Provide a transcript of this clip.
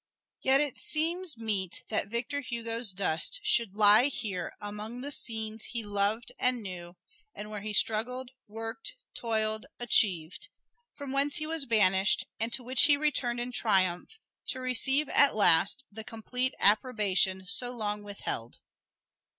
Yet it seems meet that Victor Hugo's dust should lie here amid the scenes he loved and knew, and where he struggled, worked, toiled, achieved; from whence he was banished, and to which he returned in triumph, to receive at last the complete approbation so long withheld.